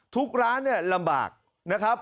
ทุกร้านเนี่ยลำบากนะครับ